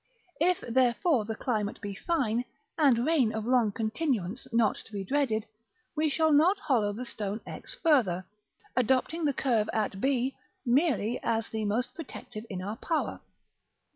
If, therefore, the climate be fine, and rain of long continuance not to be dreaded, we shall not hollow the stone X further, adopting the curve at b merely as the most protective in our power.